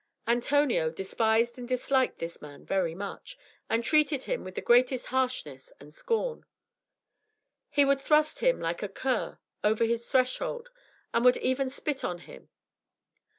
Antonio despised and disliked this man very much, and treated him with the greatest harshness and scorn. He would thrust him, like a cur, over his threshold, and would even spit on him.